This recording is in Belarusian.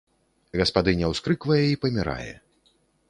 Гаспадыня ўскрыквае і памірае.